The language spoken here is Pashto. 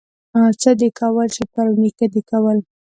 څه دي کول، چې پلار او نيکه دي کول.